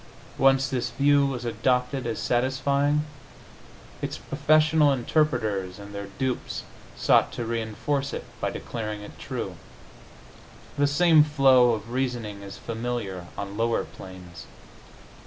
Once this view was adopted as satisfying, its professional interpreters and their dupes sought to reinforce it by declaring it true. The same flow of reasoning is familiar on lower planes.